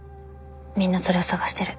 みんなそれを探してる。